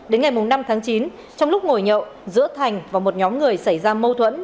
đến ngày năm tháng chín trong lúc ngồi nhậu giữa thành và một nhóm người xảy ra mâu thuẫn